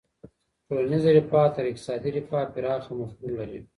ټولنیزه رفاه تر اقتصادي رفاه پراخه مفهوم لري.